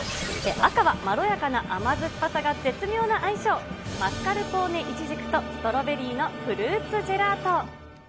赤はまろやかな甘酸っぱさが絶妙な相性、マスカルポーネイチジクとストロベリーのフルーツジェラート。